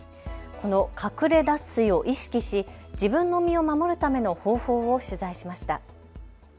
この隠れ脱水を意識し自分の身を守るための方法を取材しました。